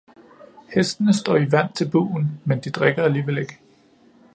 Hestene står i vand til bugen, men de drikker alligevel ikke.